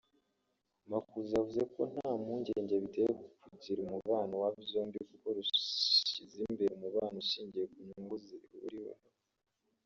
Makuza yavuze ko nta mpunge biteye kugirana umubano na byombi kuko rushyize imbere umubano ushingiye ku nyungu zihuriweho